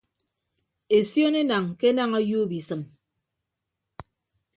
Esion enañ ke enañ ọyuup isịm.